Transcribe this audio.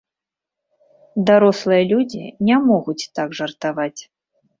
Дарослыя людзі не могуць так жартаваць.